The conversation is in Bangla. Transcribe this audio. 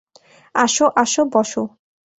আসো আসো, বসো।